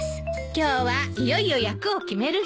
今日はいよいよ役を決める日ね！